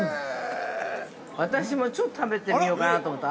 ◆私もちょっと食べてみようかなと思ったら。